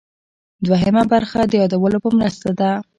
دوهمه برخه د یادولو په مرسته ده.